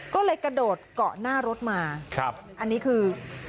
ก็เลยกระโดดเกาะหน้ารถมาอันนี้คือ